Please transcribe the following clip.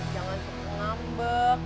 jangan cemburu ngambek